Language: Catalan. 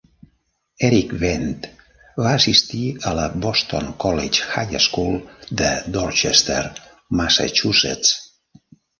Erik Vendt va assistir a la Boston College High School de Dorchester, Massachusetts.